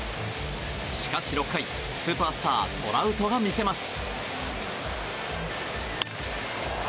しかし６回スーパースター、トラウトが見せます。